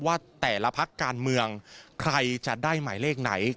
ว่าแต่ละพักการเมืองใครจะได้หมายเลขไหน